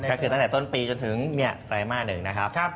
ก็คือตั้งแต่ต้นปีจนถึงไตรมาสหนึ่งนะครับ